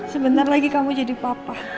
sebentar lagi kamu jadi papa